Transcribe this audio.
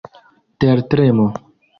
tertremo